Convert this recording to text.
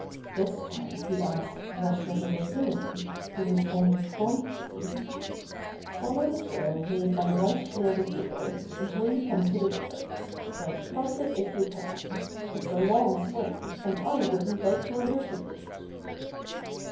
This time he asked Washer the Raccoon, who responded promptly: Buster Returns to North Woods 129 ^'Follow the trail made by White Tail the Deer until you come to the river. Then cross it, if you can. It's a long swim, and I wouldn't like to undertake it."